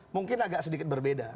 mungkin agak sedikit berbeda